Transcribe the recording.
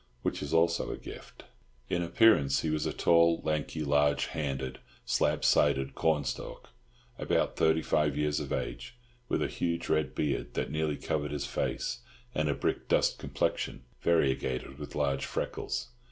Which is also a gift. In appearance he was a tall, lanky, large handed, slab sided cornstalk, about thirty five years of age, with a huge red beard that nearly covered his face, and a brick dust complexion variegated with large freckles.